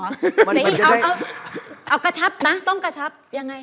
เสธีเอากระชับนะต้องกระชับยังไง